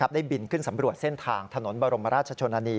ได้บินขึ้นสำรวจเส้นทางถนนบรมราชชนนานี